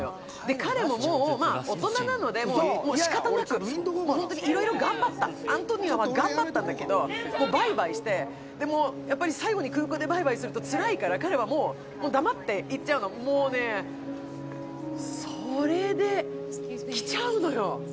彼ももう大人なのでもう仕方なくもうホントにいろいろ頑張ったアントニオは頑張ったんだけどもうバイバイしてやっぱり最後に空港でバイバイするとつらいから彼はもう黙って行っちゃうのもうねそれで来ちゃうのよ